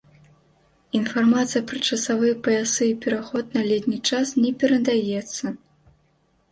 Інфармацыя пра часавыя паясы і пераход на летні час не перадаецца.